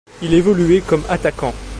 Il évoluait comme attaquant.